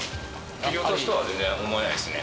切り落としとは全然思えないですね